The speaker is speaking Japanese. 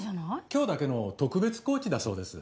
今日だけの特別コーチだそうです。